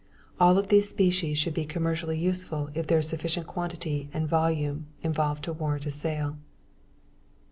All of these species should be commercially useful if there is sufficient quality and volume involved to warrant a sale.